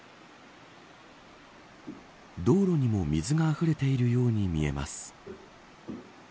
道路にも水があふれているように見えます。